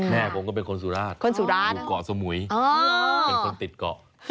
แม่ผมก็เป็นคนสุราชคนสุราชอยู่เกาะสมุยเป็นคนติดเกาะ